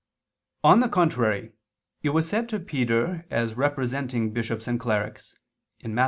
On the contrary, It was said to Peter as representing bishops and clerics (Matt.